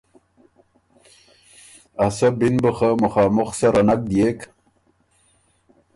ا سۀ بی ن بُو خه مخامُخ سره نک دئېک